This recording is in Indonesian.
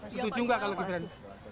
setuju enggak kalau ibran